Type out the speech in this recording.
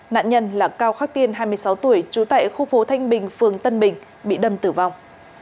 nạn nhân là cao khắc tiên hai mươi sáu tuổi trú tại khu phố thanh bình phường tân bình bị đâm tử vong